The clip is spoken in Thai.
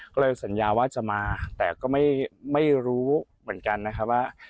ก็เลยสัญญาว่าจะมาแต่ก็ไม่รู้เหมือนกันนะครับว่า